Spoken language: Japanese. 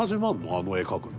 あの絵描くのに？